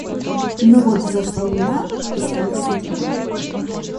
Но вот взошла луна и стало светло.